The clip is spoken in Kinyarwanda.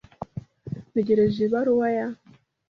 Ntegereje ibaruwa ya .